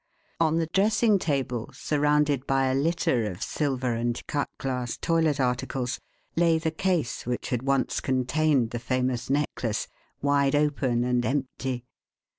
On the dressing table, surrounded by a litter of silver and cut glass toilet articles, lay the case which had once contained the famous necklace, wide open and empty.